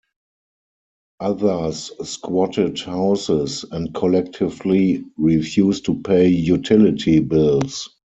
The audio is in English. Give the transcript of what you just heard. Others squatted houses and collectively refused to pay utility bills.